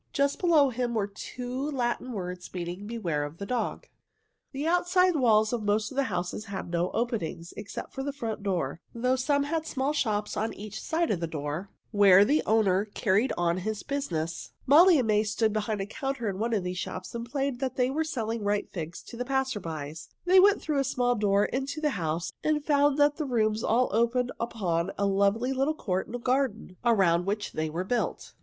Just below him were two Latin words meaning "Beware of the Dog." [Illustration: The rooms all opened upon a lovely little garden and court] The outside walls of most of the houses had no openings, except the front door, though some had small shops on each side of the door, where the owner carried on his business. Molly and May stood behind the counter in one of these shops and played they were selling ripe figs to the passers by. They went through a small door into the house and found that the rooms all opened upon a lovely little court and garden, around which they were built.